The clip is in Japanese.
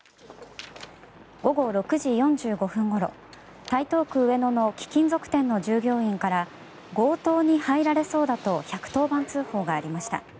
午後６時４５分ごろ台東区上野の貴金属店の従業員から強盗に入られそうだと１１０番通報がありました。